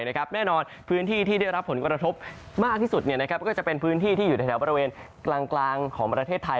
แน่นอนพื้นที่ที่ได้รับผลกระทบมากที่สุดก็จะเป็นพื้นที่ที่อยู่ในแถวบริเวณกลางของประเทศไทย